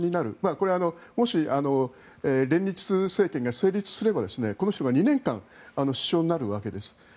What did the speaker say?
これはもし、連立政権が成立すればこの人が２年間首相になるわけです。